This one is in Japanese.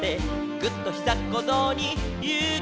「ぐっ！とひざっこぞうにゆうきをため」